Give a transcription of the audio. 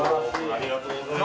ありがとうございます。